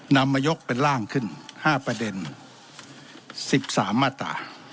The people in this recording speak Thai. นำมายกเป็นร่างขึ้น๕ประเด็น๑๓มาตรา